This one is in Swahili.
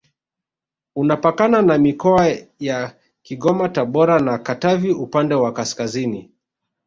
Unapakana na mikoa ya Kigoma Tabora na Katavi upande wa kaskazini